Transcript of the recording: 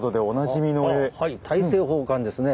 大政奉還ですね。